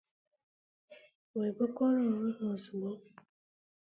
wee bukọrọ onwe ha ozigbo